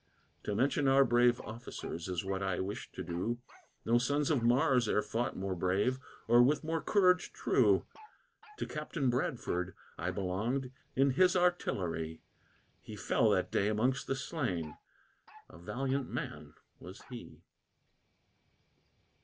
To mention our brave officers, is what I wish to do; No sons of Mars e'er fought more brave, or with more courage true. To Captain Bradford I belonged, in his artillery, He fell that day amongst the slain, a valiant man was he.